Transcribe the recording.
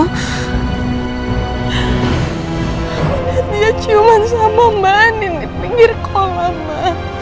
aku ngeliat dia cuman sama mbak andin di pinggir kolam ma